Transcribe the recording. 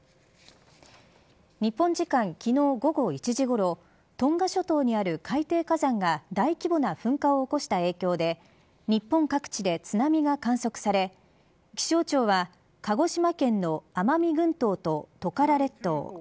日本時間、昨日午後１時ごろトンガ諸島にある海底火山が大規模な噴火を起こした影響で日本各地で津波が観測され気象庁は鹿児島県の奄美群島とトカラ列島